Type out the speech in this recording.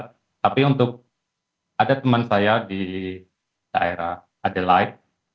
tapi untuk ada teman saya di daerah adelaide